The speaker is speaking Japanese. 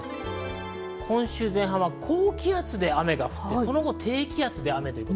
今週前半は高気圧で雨が降って、その後低気圧で雨。